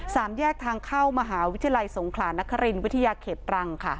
สามแยกทางเข้ามหาวิทยาลัยสงขลานครินวิทยาเขตตรังค่ะ